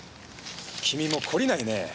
君も懲りないね。